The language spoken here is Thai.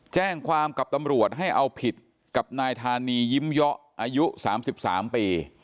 แจ้งความกับตำรวจให้เอาผิดกับนายธานียิ้มเยาะอายุ๓๓ปี